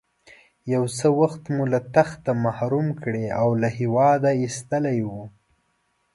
یو څه وخت مو له تخته محروم کړی او له هېواده ایستلی وو.